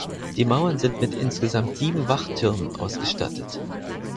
Die Mauern sind mit insgesamt sieben Wachtürmen ausgestattet.